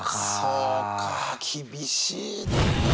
そうか厳しいね。